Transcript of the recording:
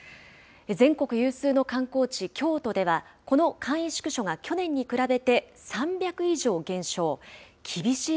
全国有数の観光地、京都では、この簡易宿所が去年に比べて３００以上減少。